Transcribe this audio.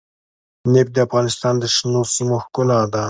نفت د افغانستان د شنو سیمو ښکلا ده.